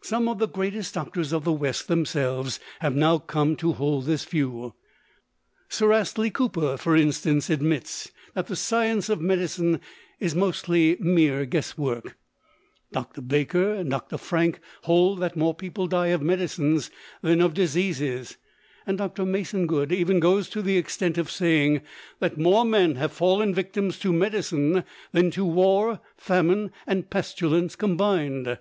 Some of the greatest doctors of the West themselves have now come to hold this view. Sir Astley Cooper, for instance, admits that the 'science' of medicine is mostly mere guess work; Dr. Baker and Dr. Frank hold that more people die of medicines than of diseases; and Dr. Masongood even goes to the extent of saying that more men have fallen victims to medicine than to war, famine and pestilence combined!